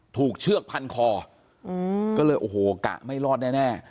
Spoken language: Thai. เชือกพันคอก็เลยโอ้โหกะไม่รอดแน่